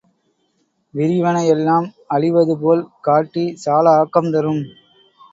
விரிவன எல்லாம் அழிவதுபோல் காட்டி சால ஆக்கம் தரும்.